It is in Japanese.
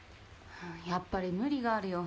はぁやっぱり無理があるよ